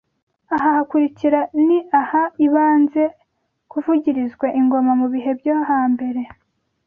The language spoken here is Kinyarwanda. Aha hakurikira ni ahaibanze kuvugirizwa ingoma mu bihe byo ha mbere